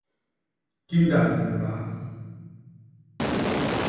Kindak mudaa.